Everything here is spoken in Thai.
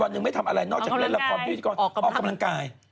หนึ่งไม่ทำอะไรนอกจากเล่นละครพิธีกรออกกำลังกาย